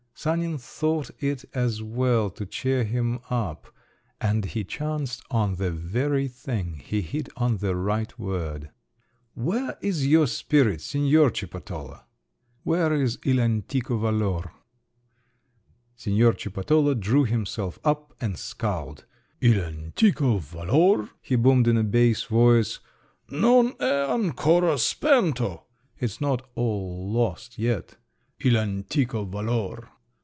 Sanin thought it as well to cheer him up, and he chanced on the very thing, he hit on the right word. "Where is your old spirit, Signor Cippatola? Where is il antico valor?" Signor Cippatola drew himself up and scowled "Il antico valor?" he boomed in a bass voice. "Non è ancora spento (it's not all lost yet), _il antico valor!